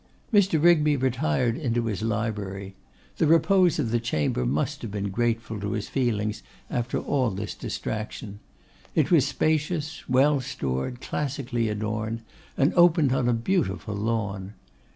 Mr. Rigby retired into his library: the repose of the chamber must have been grateful to his feelings after all this distraction. It was spacious, well stored, classically adorned, and opened on a beautiful lawn.